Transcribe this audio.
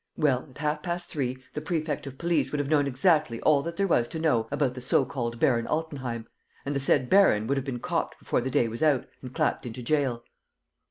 Well, at half past three the prefect of police would have known exactly all that there was to know about the so called Baron Altenheim; and the said baron would have been copped before the day was out and clapped into jail."